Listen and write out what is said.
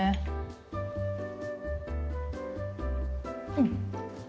うん！